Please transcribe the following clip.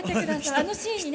あのシーンにね